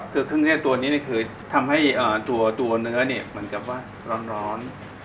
คือเครื่องเทศตัวนี้คือทำให้ตัวเนื้อนี่เหมือนกับว่าร้อน